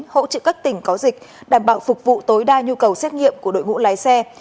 hỗ trợ các tỉnh có dịch đảm bảo phục vụ tối đa nhu cầu xét nghiệm của đội ngũ lái xe